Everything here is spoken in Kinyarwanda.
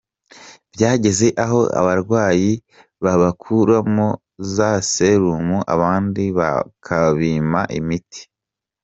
Byageze aho abarwayi babakuramo za serumu abandi bakabima imiti.